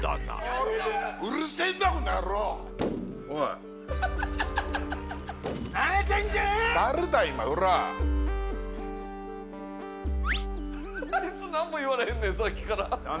あいつなんも言われへんねんさっきから。